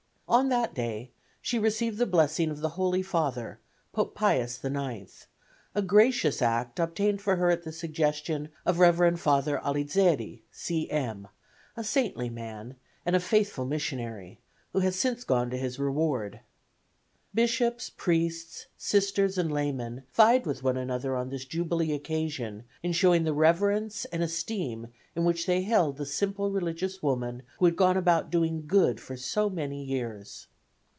On that day she received the blessing of the Holy Father (Pope Pius IX), a gracious act obtained for her at the suggestion of Rev. Father Alizeri, C. M., a saintly man and a faithful missionary, who has since gone to his reward. Bishops, priests, Sisters and laymen vied with one another on this jubilee occasion in showing the reverence and esteem in which they held the simple religious woman who had gone about doing good for so many years.